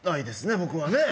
僕はね。